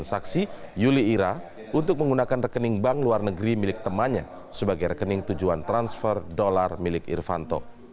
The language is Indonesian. saksi yuli ira untuk menggunakan rekening bank luar negeri milik temannya sebagai rekening tujuan transfer dolar milik irvanto